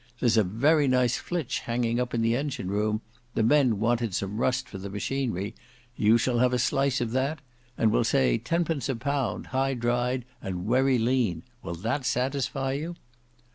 There's a very nice flitch hanging up in the engine room; the men wanted some rust for the machinery; you shall have a slice of that; and we'll say ten pence a pound, high dried, and wery lean—will that satisfy you!